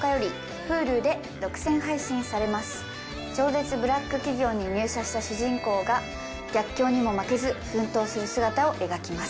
超絶ブラック企業に入社した主人公が逆境にも負けず奮闘する姿を描きます。